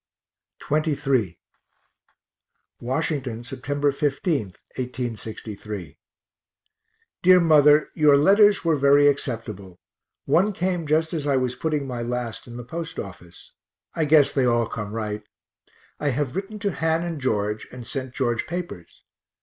XXIII Washington, Sept. 15, 1863. DEAR MOTHER Your letters were very acceptable one came just as I was putting my last in the post office I guess they all come right. I have written to Han and George and sent George papers.